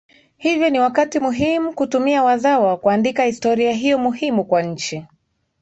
hivyo ni wakati muhimu kutumia wazawa kuandika historia hiyo muhimu kwa nchi